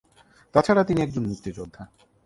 তাছাড়া, তিনি একজন মুক্তিযোদ্ধা।